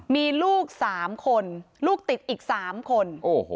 มีลูกสามคนลูกติดอีกสามคน